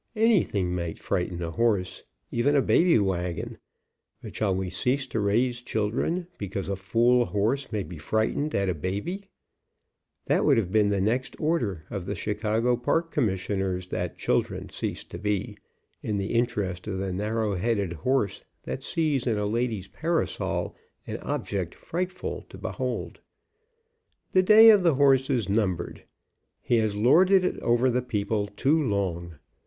Anything may frighten a horse, even a baby wagon, but shall we cease to raise children because a fool horse may be frightened at a baby ? That would have been the next order of the Chicago park commission ers, that children cease to be, in the interest of the narrow headed horse that sees in a lady's parasol an object frightful to behold. The day of the horse is numbered. He has lorded it over the people too long.